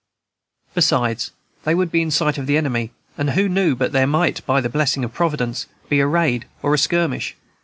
Besides, they would be in sight of the enemy, and who knew but there might, by the blessing of Providence, be a raid or a skirmish?